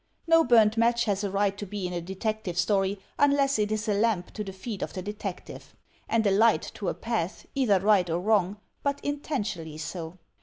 No burnt match has a right to be in a detective story unless it is a lamp to the feet of the detective; and a light to a path, either right or wrong, but intentionally so.